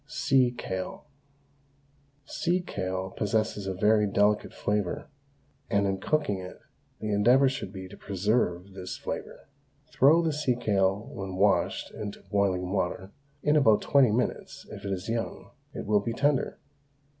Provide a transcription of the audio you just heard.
SEA KALE. Sea kale possesses a very delicate flavour, and in cooking it the endeavour should be to preserve this flavour. Throw the sea kale when washed into boiling water; in about twenty minutes, if it is young, it will be tender.